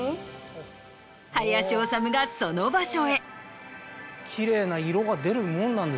林修がその場所へ。